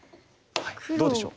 どうでしょう？